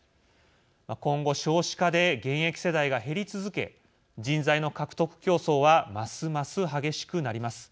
今後、少子化で現役世代が減り続け人材の獲得競争はますます激しくなります。